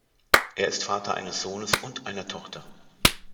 Er ist Vater eines Sohnes und einer Tochter.